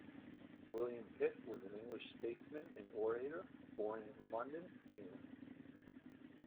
William Pitt was an English statesman and orator, born in London, England.